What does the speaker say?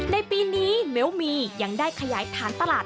ในปีนี้เบลมียังได้ขยายฐานตลาด